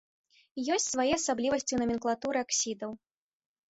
Ёсць свае асаблівасці ў наменклатуры аксідаў.